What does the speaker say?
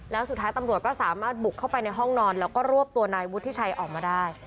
แล้วสุดท้ายตำรวจก็สามารถบุกเข้าไปในห้องนอนแล้วก็รวบตัวนายวุฒิชัยออกมาได้